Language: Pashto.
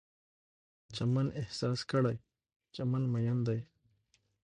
چمن احساس کړئ، چمن میین دی